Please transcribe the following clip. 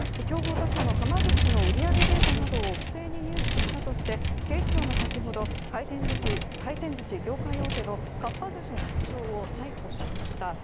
はま寿司の売り上げデータなどを不正に入手したなどとして警視庁が先ほど回転寿司業界大手のかっぱ寿司の社長を逮捕しました。